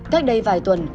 cách đây vài tuần